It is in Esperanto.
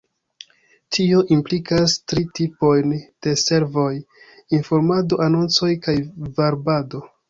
Tio implikas tri tipojn de servoj: informado, anoncoj kaj varbado.